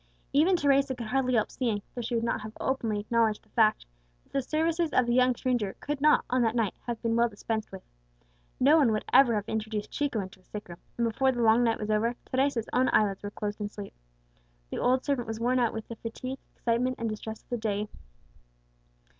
Even Teresa could hardly help seeing, though she would not have openly acknowledged the fact, that the services of the young stranger could not, on that night, have been well dispensed with. No one would ever have introduced Chico into a sick room; and before the long night was over, Teresa's own eyelids were closed in sleep. The old servant was worn out with the fatigue, excitement, and distress of the day.